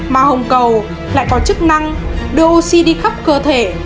mà hồng cầu lại có chức năng đưa oxy đi khắp cơ thể